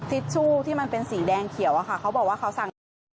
ทิชชู่ที่มันเป็นสีแดงเขียวอะค่ะเขาบอกว่าเขาสั่งมา